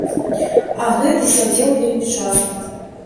А гэты сядзеў вельмі часта.